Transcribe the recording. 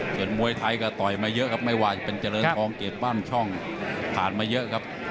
ส่วนมวยไทยก็ต่อยมาเยอะครับไม่ว่าจะเป็นเจริญทองเกรดบ้านช่องผ่านมาเยอะครับ